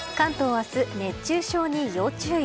明日、熱中症に要注意。